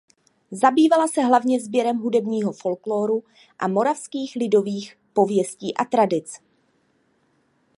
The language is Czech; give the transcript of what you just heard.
Zabývala se hlavně sběrem hudebního folkloru a moravských lidových pověstí a tradic.